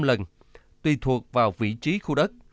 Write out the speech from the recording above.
hộ dân sẽ được đặt vào vị trí khu đất